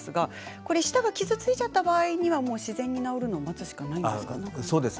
舌が傷ついた場合、自然に治るのを待つしかないんですか？